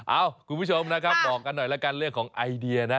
เอ้าคุณผู้ชมนะครับบอกกันหน่อยแล้วกันเรื่องของไอเดียนะ